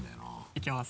いきます。